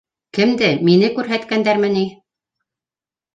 — Кемде? Мине күрһәткәндәрме ни?